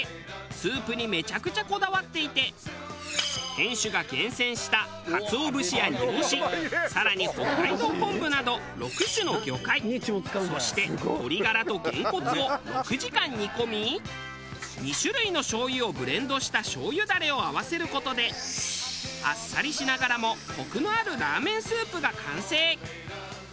スープにめちゃくちゃこだわっていて店主が厳選したかつお節や煮干し更に北海道昆布など６種の魚介そして鶏ガラとゲンコツを６時間煮込み２種類の醤油をブレンドした醤油だれを合わせる事であっさりしながらもコクのあるラーメンスープが完成。